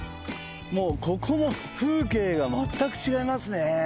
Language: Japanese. もうここも風景がまったく違いますね。